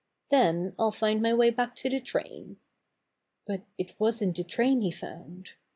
"Then I'll find my way back to the train." But it wasn't the train he found.